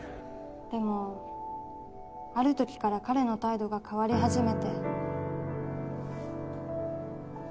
でもある時から彼の態度が変わり始めて。